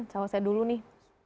sausnya dulu nih